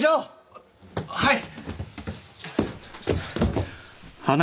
あっはい。